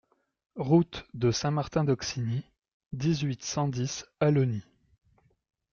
Route de Saint-Martin d'Auxigny, dix-huit, cent dix Allogny